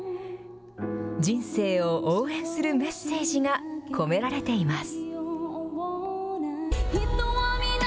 人生を応援するメッセージが込められています。